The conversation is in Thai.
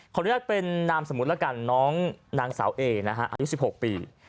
ขออนุญาตเป็นนามสมุทรละกันน้องนางสาวเอ๋อายุ๑๖ปี